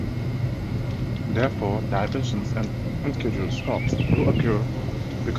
Therefore, diversions or unscheduled stops do occur because of air rage.